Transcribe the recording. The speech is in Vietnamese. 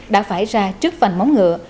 đã phải ra trước vành móng ngựa